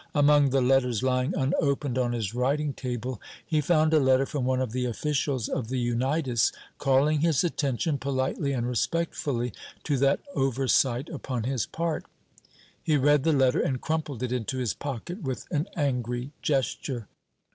Among the letters lying unopened on his writing table he found a letter from one of the officials of the Unitas, calling his attention, politely and respectfully, to that oversight upon his part. He read the letter, and crumpled it into his pocket with an angry gesture.